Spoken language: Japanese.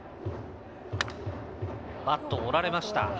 バットを折られました。